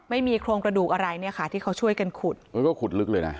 ไม่มีโครงกระดูกอะไรเนี่ยค่ะที่เขาช่วยกันขุดเออก็ขุดลึกเลยนะ